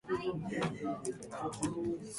「だからあたし達男なんかお呼びじゃないのよ悪い？」